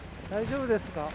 大丈夫ですか。